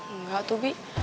enggak tuh bi